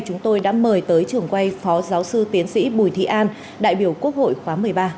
chúng tôi đã mời tới trường quay phó giáo sư tiến sĩ bùi thị an đại biểu quốc hội khóa một mươi ba